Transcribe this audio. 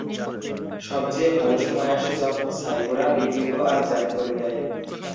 সবচেয়ে ভালো সময় আসে যখন সাইকোরা বিকৃত আর জ্যাম করে দেয়।